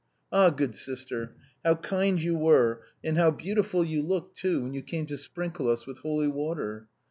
Ah ! good sister, how kind you were, and how beautiful you looked, too, when you came to sprinkle us with holy water.